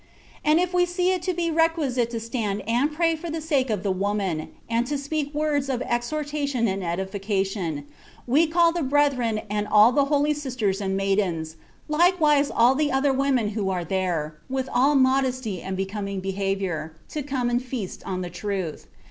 "And if we see it to be requisite to stand and pray for the sake of the woman, and to speak words of exhortation and edification, we call the brethren and all the holy sisters and maidens, likewise all the other women who are there, with all modesty and becoming behavior, to come and feast on the truth.